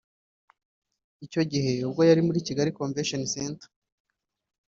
Icyo gihe ubwo yari muri Kigali Convention Centre